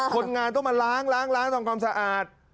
คนงานต้องมาล้างล้างทำความสะอาด